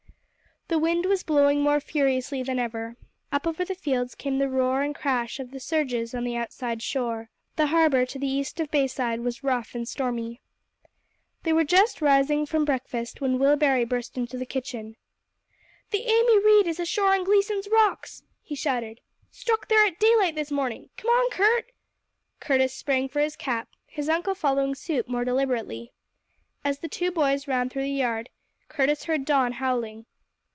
The wind was blowing more furiously than ever. Up over the fields came the roar and crash of the surges on the outside shore. The Harbour to the east of Bayside was rough and stormy. They were just rising from breakfast when Will Barrie burst into the kitchen. "The Amy Reade is ashore on Gleeson's rocks!" he shouted. "Struck there at daylight this morning! Come on, Curt!" Curtis sprang for his cap, his uncle following suit more deliberately. As the two boys ran through the yard, Curtis heard Don howling.